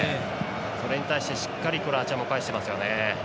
それに対して、しっかりクロアチアも返してますよね。